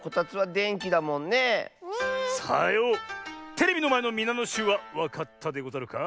テレビのまえのみなのしゅうはわかったでござるか？